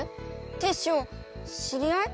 テッショウ知り合い？